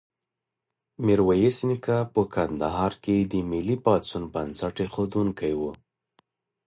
میرویس نیکه په کندهار کې د ملي پاڅون بنسټ ایښودونکی و.